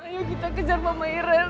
ayo kita kejar mama irel